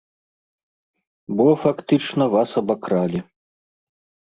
Бо, фактычна, вас абакралі.